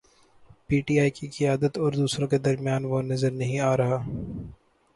P T I کی قیادت اور دوسروں کے درمیان وہ نظر نہیں آ رہا۔